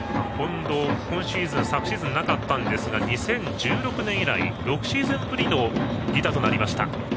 近藤、昨シーズンはなかったんですが２０１６年以来６シーズンぶりの犠打となりました。